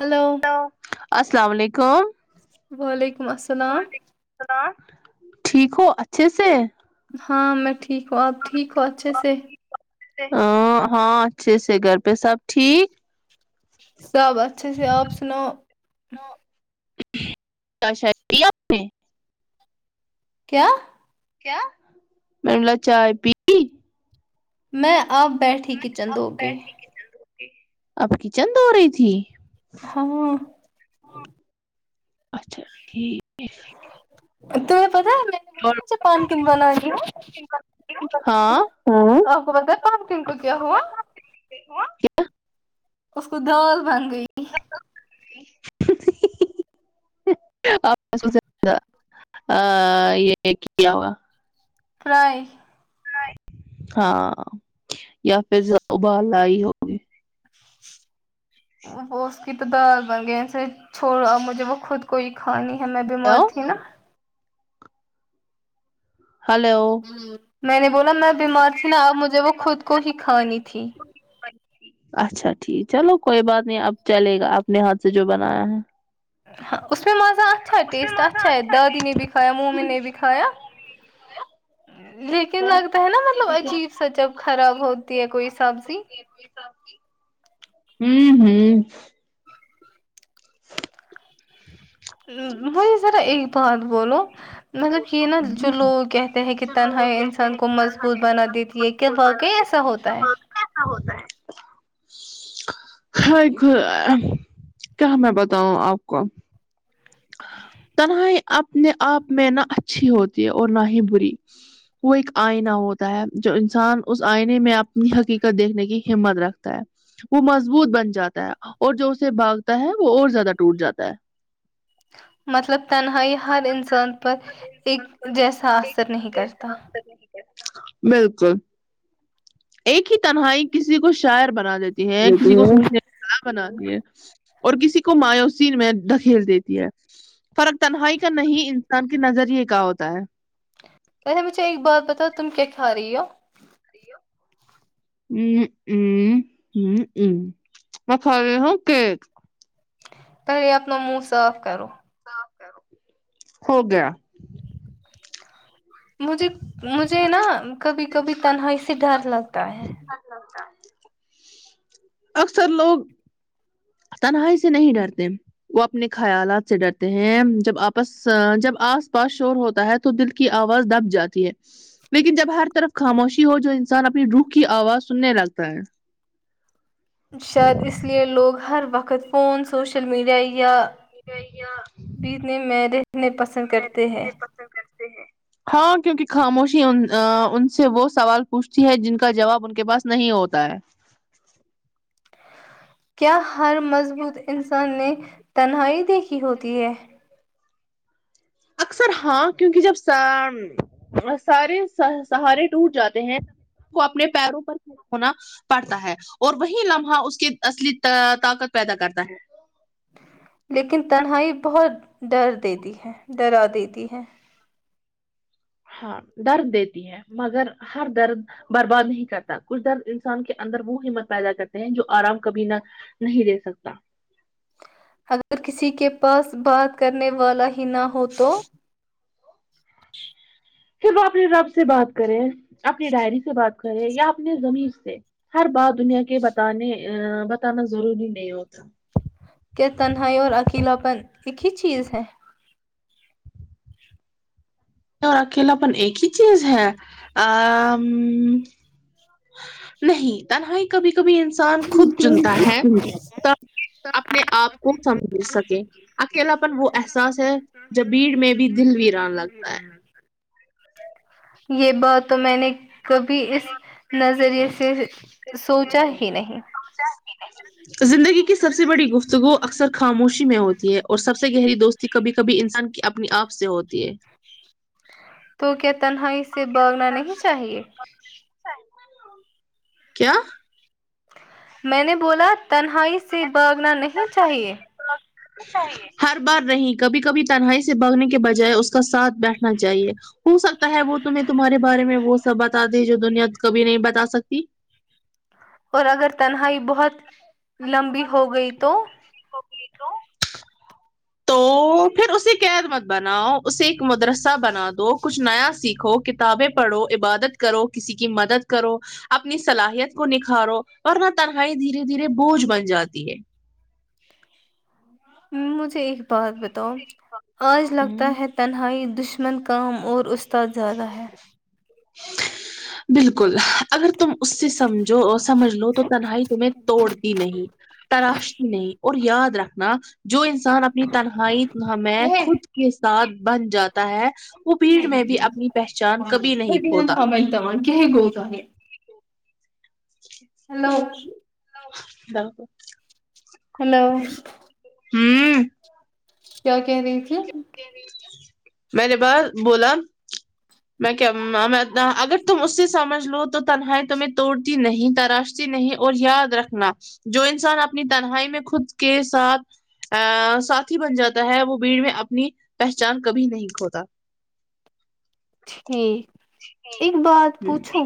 hello السلام علیکم وعلیکم السلام وعلیکم السلام ٹھیک ہو اچھے سے ہاں میں ٹھیک ہوں آپ ٹھیک ہو اچھے سے ہاں اچھے سے گھر پہ سب ٹھیک صب اچھے سے آپ سنا ؤ [unintelligible] نے میں کیا کیا میں نے بولا چائے پی میں اب بیٹھی کچن دھو کے آپ کچن دھو رہی تھی ہاں اچھا ٹھیک تمیں پتا ہے میں نے بولا اور نہ جب پمکن والا لیو [unintelligible] ھممم آپ کو پتا ہے پمکن کو کیا ہوا اس کو دال بن گئی دال بن گئ آپ نیں اسکو زیادہ آ یہ کیا ہوگا فرائی ہاں یا پھر زیا ابال لائی ہو وہ اس کی تو دال بن گئی اسے چھوڑا اب مجھے وہ خود کوہی کھانی ہے میں بیمار تھی نہ ہلو میں نے بولا میں بیمار تھی نہ اب مجھے وہ خود کو ہی کھانی تھی اچھا ٹھیک چلو کوئی بات نہیں اب چلے گا اپنے ہاتھ سے جو بنایا ہے ہاں اس میں مزہ اچھا ہے ٹیسٹ اچھا ہے دادی نے بھی کھایا ممی نے بھی کھایا لیکن لگتا ہے نہ مطلب عجیب سا جب خراب ہوتی ہے کوئی سبزی کوئی سبزی ھمم ھمم [inaudible] وہی ذرا ایک بات بولو مطلب یہ نہ جو لوگ کہتے ہیں کہ تنہائی انسان کو مضبوط بنا دیتی ہے کہ واقعی ایسا ہوتا ہے ایسا ہوتا ہے ہے کوئی کیا میں بتاؤں آپ کو تنہائی اپنے آپ میں نہ اچھی ہوتی ہے اور نہ ہی بری وہ ایک آئینہ ہوتا ہے جو انسان اس آئینے میں اپنی حقیقت دیکھنے کی ہمت رکھتا ہے وہ مضبوط بن جاتا ہے اور جو اسے بھاگتا ہے وہ اور زیادہ ٹوٹ جاتا ہے مطلب تنہائی ہر انسان پر ایک جیسا اثر نہیں کرتا بالکل ایک ہی تنہائی کسی کو شاعر بنا دیتی ہے کسی کو سوچنے یاب بنا دیے اور کسی کو مایوسی میں دھکیل دیتی ہے فرق تنہائی کا نہیں انسان کے نظریے کا ہوتا ہے ویسے مجھے ایک بات بتاؤ تم کیا کھا رہی ہو ممم ممم ممم ممم میں کھا رہی ہوں کیک پہلے یہ اپنا منہ صاف کرو صاف کرو ہو گیا مجھے مجھے نہ کبھی کبھی تنہائی سے ڈر لگتا ہے لگتا ہے اکثر لوگ تنہائی سے نہیں ڈرتے وہ اپنے خیالات سے ڈرتے ہیں جب آپس آ آس پاس شور ہوتا ہے تو دل کی آواز دب جاتی ہے لیکن جب ہر طرف خاموشی ہو جو انسان اپنی روح کی آواز سننے لگتا ہے شاید اس لیے لوگ ہر وقت فون سوشل میڈیا یا بیتنے میں رہنے پسند کرتے ہیں کر تے ہیں ہاں کیونکہ خاموشی ان ان سے وہ سوال پوچھتی ہے جن کا جواب ان کے پاس نہیں ہوتا ہے کیا ہر مضبوط انسان نے تنہائی دیکھی ہوتی ہے اکثر ہاں کیونکہ جب سا سارے سہارے ٹوٹ جاتے ہیں کو اپنے پیروں پر کھڑا ہونا پڑھتا ہے اور وہی لمحہ اس کے اصلی تا طاقت پیدا کرتا ہے لیکن تنہائی بہت ڈر دیتی ہے ڈرا دیتی ہے ہاں درد دیتی ہے مگر ہر درد برباد نہیں کرتا کچھ درد انسان کے اندر وہ ہمت پیدا کرتے ہیں جو آرام کبھی نہ نہیں دے سکتا اگر کسی کے پاس بات کرنے والا ہی نہ ہو تو پھر وہ اپنے رب سے بات کرے اپنی ڈائری سے بات کرے یا اپنے زمیر سے ہر بات دنیا کے بتانے بتانا ضروری نہیں ہوتا کیا تنہائی اور اکیلاپن ایک ہی چیز ہے ہاں اور اکیلا پن ایک ہی چیز ہے ا نہیں تنہائی کبھی کبھی انسان خود چنتا ہے اپنے آپ کو سمجھ سکے اکیلاپن وہ احساس ہے جب بھیڑ میں بھی دل ویران لگتا ہے یہ بات تو میں نے کبھی اس نظریے سے سوچا ہی نہیں سوچا ہی نہیں زندگی کی سب سے بڑی گفتگو اکثر خاموشی میں ہوتی ہے اور سب سے گہری دوست کبھی کبھی انسان کی اپنی آپ سے ہوتی ہے تو کیا تنہائی سے باگنا نہیں چاہیے کیا میں نے بولا تنہائی سے بھاگنا نہیں چاہیے [unintelligible] ہر بار نہیں کبھی کبھی تنہائی سے بھگنے کے بجائے اس کا ساتھ بیٹھنا چاہیے ہو سکتا ہے وہ تمھیں تمہارے بارے میں وہ سب بتا دے جو دنیا کبھی نہیں بتا سکتی اور اگر تنہائی بہت لمبی ہو گئی تو ہوگئی تو تو پھر اسے قید مت بناؤ اسے ایک مدرسہ بنا دو کچھ نیا سیکھو کتنا کتابیں پڑھو عبادت کرو کسی کی مدد کرو اپنی صلاحیت کو نکھارو ورنہ تنہائی دھیرے دھیرے بوجھ بن جاتی ہے امم مجھے ایک بات بتاؤ آج لگتا ہے تنہائی دشمن کام اور اس استاد زیادہ ہے بالکل اگر تم اس سے سمجھو سمجھ لو تو تنہائی تمہیں توڑتی نہیں تراشتی نہیں اور یاد رکھنا جو انسان اپنی تنہائی ہمیں خود کے ساتھ بن جاتا ہے وہ بھیڑ میں بھی اپنی پہچان کبھی نہیں کھوتا [unintelligible] ہلو [unintelligible] ہیلو ہمم کیا کہہ رہی تھی میں نے بس بولا میں کیا اگر تم اس سے سمجھ لو تو تنہائی تمھیں توڑتی نہیں تراشتی نہیں اور یاد رکھنا جو انسان اپنی تنہائی میں خود کے ساتھ ا ساتھی بن جاتا ہے وہ بھیڑ میں اپنی پہچان کبھی نہیں کھوتا ٹھیک ایک بات ہوں پوچھو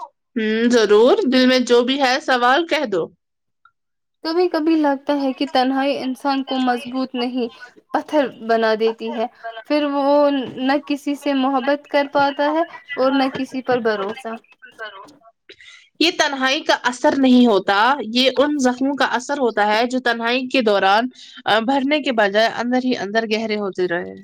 ہوں ضرور دل میں جو بھی ہے سوال کہہ دو کبھی کبھی لگتا ہے کہ تنہائی انسان کو مضبوط نہیں پتھر بنا دیتی ہے پھر وہ نٹ کسی سے محبت کر پاتا ہے اور نہ کسی پر بھروسہ بھروسہ یہ تنہائی کا اثر نہیں ہوتا یہ ان زخموں کا اثر ہوتا ہے جو تنہائی کے دوران بھرنے کے بجائے اندر ہی اندر گہرے ہوتے رہے ہیں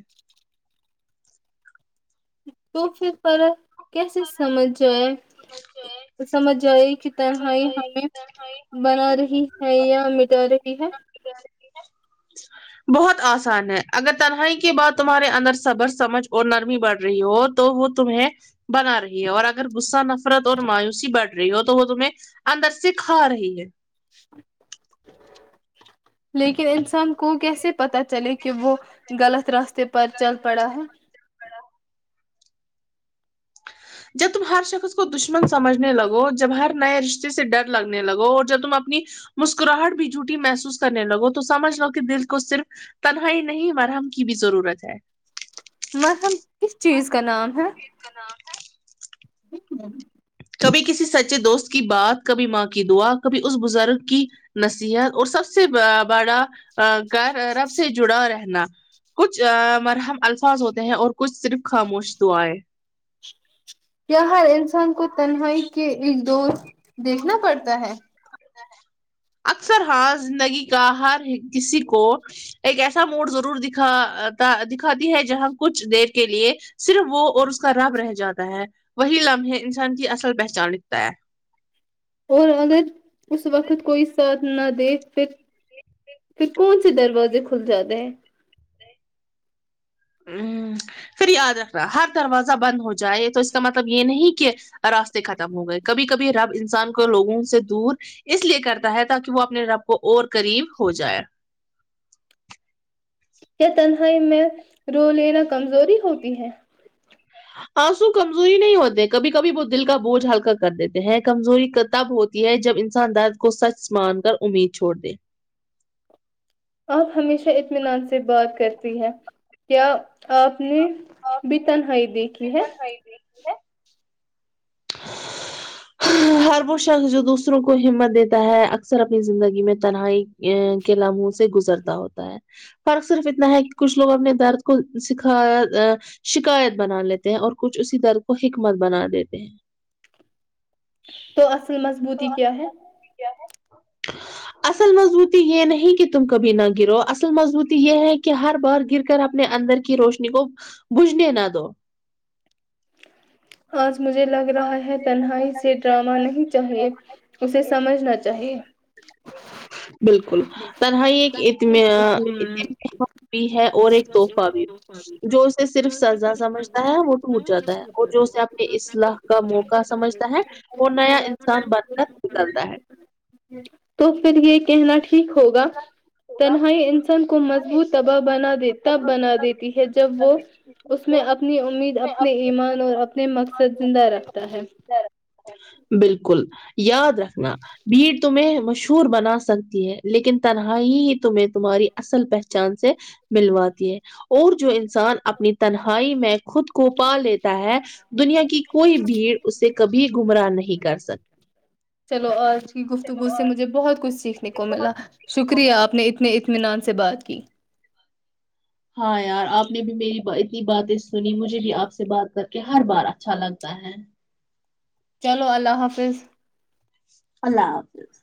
تو پھر فرق کیسے سمجھ جائے سمجھ آئی کہ تنہائی ہمیں بنا رہی ہے یا مٹا را رہی ہے بہت آسان ہے اگر تنہائی کی بات تمہارے اندر صبر سمجھ اور نرمی بڑھ رہی ہو تو وہ تمہیں بنا رہی ہے اور اگر غصہ نفرت اور مایوسی بڑھ رہی ہو تو وہ تمہیں اندر سے کھا رہی ہے [inaudible] لیکن انسان کو کیسے پتا چلے کہ وہ غلط راستے پر چل پڑا ہے جب تم ہر شخص کو دشمن سمجھنے لگو جب ہر نئے رشتے سے ڈر لگنے لگو اور جب تم اپنی مسکراہٹ بھی جھوٹی محسوس کرنے لگو تو سمجھ لو کہ دل کو صرف تنہائی نہیں مرہم کی بھی ضرورت ہے مرہم کس چیز کا نام ہے کی نام ہے ہوں کبھی کسی سچے دوست کی بات کبھی ماں کی دعا کبھی اس بزرگ کی نصیحت اور سب سے بڑا گر رب سے جڑا رہنا کچھ مرحم الفاظ ہوتے ہیں اور کچھ صرف خاموش دعائیں کیا ہر انسان کو تنہائی کے ایک دور دیکھنا پڑتا ہے اکثر ہاں زندگی کا ہر کسی کو ایک ایسا موڈ ضرور دکھا دکھاتی ہے جہاں کچھ دیر کے لیے صرف وہ اور اس کا رب رہ جاتا ہے وہی لمحے انسان کی اصل پہچانکتا ہے اور اگر اس وقت کوئی ساتھ نہ دے پھر پھر کون ک دروازے کھل جاتے ہیں ہ پھر یاد رکھ رہا ہر دروازہ بند ہو جائے تو اس کا مطلب یہ نہیں کہ راستے ختم ہو گئے کبھی کبھی رب انسان کو لوگوں سے دور اس لیے کرتا ہے تاکہ وہ اپنے رب کو اور قریب ہو جائے کیا تنہائی میں رو لینا کمزوری ہوتی ہے آنسو کمزوری نہیں ہوتے کبھی کبھی وہ دل کا بوجھ ہلکا کر دیتے ہیں کمزوری تب ہو ہوتی جب انسان درد کو سچ مان کر امید چھوڑ دے آپ ہمیشہ اطمینان سے بات کرتی ہیں کیا آپ نے بھی تنہائی دیکھی ہے [inaudible] ہر وہ شخص جو دوسروں کو ہمت دیتا ہے اکثر اپنی زندگی میں تنہائی یہ کے لمحوں سے گزرتا ہوتا ہے فرق صرف اتنا ہے کہ کچھ لوگوں اور اپ نے درد کو سکھایا ہے شکایت بنا لیتے ہیں اور کچھ اسی درد کو حکمت بنا دیتے ہیں تو اصل مضبوطی کیا ہے کیا ہے اصل مضبوطی یہ نہیں کہ تم کبھی نہ گرو اصل مضبوط یہ ہے کہ ہر بار گر کر اپنے اندر کی روشنی کو بجھنے نہ دو آج مجھے لگ رہا ہے تنہائی سے ڈراما نے چاہیے اسے سمجھنا چاہیے بالکل تنہائی ایک ا اطم اطمینان بھی ہے اور ایک تحفہ بھی جو اسے صرف سزا سمجھتا ہے وہ ٹوٹ جاتا ہے اور جو اسے اپنی اصلاح کا موقع سمجھتا ہے اور نیا انسان بن کر نکلتا ہے تو پھر یہ کہنا ٹھیک ہوگا تنہائی انسان کو مضبوط تباہ بنا د تب بنا دیتی ہے جب وہ اس میں اپنی امید اپنے ایمان اور اپنے مقصد زندہ رکھتا ہے بالکل یاد رکھنا بھیڑ تمہیں مشہور بنا سکتی ہے لیکن تنہائی ہی تمہیں تمہاری اصل پہچان سے ملواتی ہے اور جو ان انسان اپنی تنہائی میں خود کو پا لیتا ہے دنیا کی کوئی بھرد چلو اج کی گفتگو سے مجھے بہت کچھ سیکھ نہ کو ملا شکریہ آپ نے اتنے اطمینان سے بات کی ہاں یار آپ نے بھی میری اتنی باتیں سنی مجھے بھی آپ سے سے بات کر کے ہر بار اچھا لگتا ہے چلو اللہ حافظ اللہ حافظ